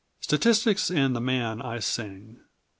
Statistics and the man I sing.